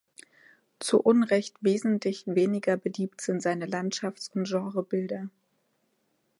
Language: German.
Zu Unrecht wesentlich weniger beliebt sind seine Landschafts- und Genrebilder.